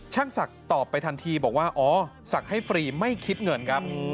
ศักดิ์ตอบไปทันทีบอกว่าอ๋อศักดิ์ให้ฟรีไม่คิดเงินครับ